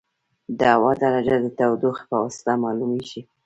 د هوا درجه د تودوخې په واسطه معلومېږي.